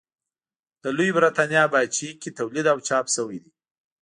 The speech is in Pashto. د لویې برېتانیا پاچاهۍ کې تولید او چاپ شوي دي.